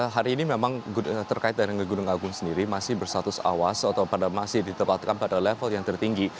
hari ini memang terkait dari gunung agung sendiri masih bersatus awas atau masih ditempatkan pada level yang tertinggi